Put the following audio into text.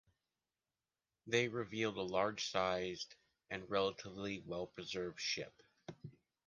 They revealed a large-sized and relatively well-preserved ship.